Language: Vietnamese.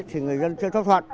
thì người dân chưa thấp thuận